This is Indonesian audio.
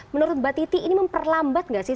menurut mbak titi ini memperlambat nggak sih